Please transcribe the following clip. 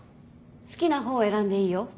好きな方を選んでいいよ。